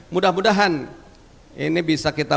mudah mudahan ini bisa kita